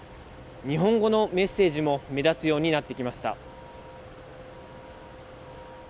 日本語のメッセージも目立つようになってきました。